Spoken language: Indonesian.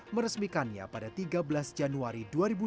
meresmikannya pada tiga belas januari dua ribu dua puluh